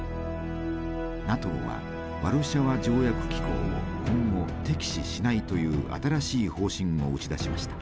ＮＡＴＯはワルシャワ条約機構を今後敵視しないという新しい方針を打ち出しました。